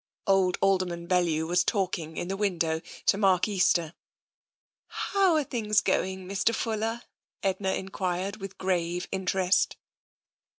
Old Alderman Bellew was talking in the window to Mark Easter. "How are things going, Mr. Fuller?" Edna en quired with grave interest.